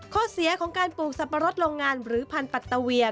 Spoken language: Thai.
ข้อเสียของการปลูกสับปะรดโรงงานหรือพันธุปัตตาเวีย